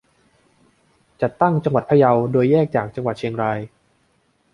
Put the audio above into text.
จัดตั้งจังหวัดพะเยา โดยแยกจากจังหวัดเชียงราย